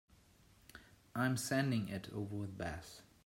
I'm sending it over with Beth.